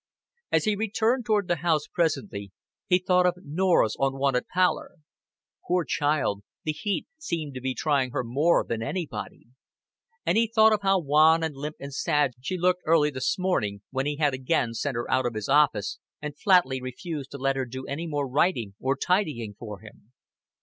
As he returned toward the house presently, he thought of Norah's unwonted pallor. Poor child, the heat seemed to be trying her more than anybody. And he thought of how wan and limp and sad she looked early this morning, when he had again sent her out of his office and flatly refused to let her do any more writing or tidying for him.